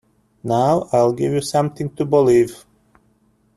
Now I’ll give you something to believe.